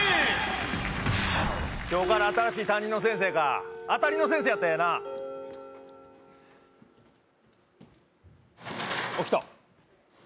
今日から新しい担任の先生か当たりの先生やったらええなあっ来た